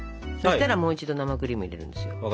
そしたらもう一度生クリームを入れるんですよ。